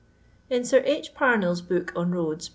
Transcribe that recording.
In Sir H. Pamell's book on roads, p.